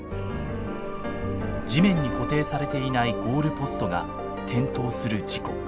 地面に固定されていないゴールポストが転倒する事故。